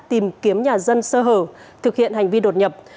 tìm kiếm nhà dân sơ hở thực hiện hành vi đột nhập